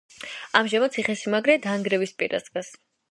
ამჟამად ციხესიმაგრე დანგრევის პირას დგას.